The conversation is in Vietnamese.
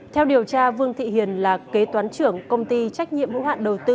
theo điều tra vương thị hiền là kế toán trưởng công ty trách nhiệm hữu hạn đầu tư